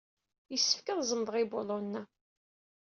Yessefk ad zemḍeɣ ibulunen-a.